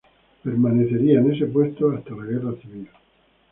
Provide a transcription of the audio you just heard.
Permanecería en ese puesto hasta la guerra civil.